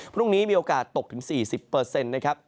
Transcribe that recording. พรุ่งนี้มีโอกาสตกถึง๔๐นะครับ